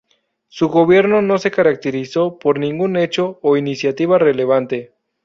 Su gobierno no se caracterizó por ningún hecho o iniciativa relevante.